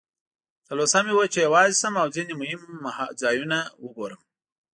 تلوسه مې وه چې یوازې شم او ځینې مهم ځایونه وګورم.